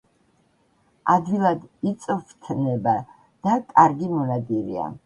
ადვილად იწვრთნება და კარგი მონადირეა.